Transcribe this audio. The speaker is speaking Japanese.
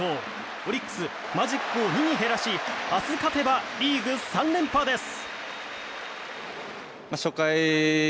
オリックスマジックを２に減らし明日勝てばリーグ３連覇です！